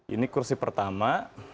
ini kursi pertama